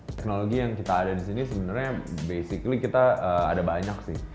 teknologi yang kita ada di sini sebenarnya basically kita ada banyak sih